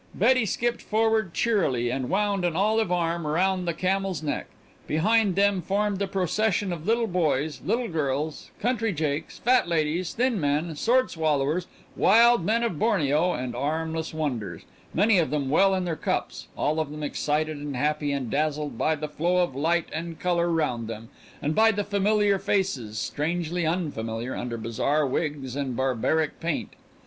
Betty skipped forward cheerily and wound an olive arm round the camel's neck. Behind them formed the procession of little boys, little girls, country jakes, fat ladies, thin men, sword swallowers, wild men of Borneo, and armless wonders, many of them well in their cups, all of them excited and happy and dazzled by the flow of light and color round them, and by the familiar faces, strangely unfamiliar under bizarre wigs and barbaric paint.